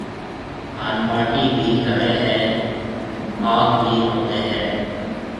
هانَ ٻاٽيَ ڀِي گڙيَ هيَ۔ هاگ ڀِي روندهيََ هيَ۔